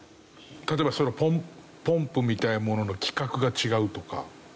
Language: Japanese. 例えばポンプみたいなものの規格が違うとか。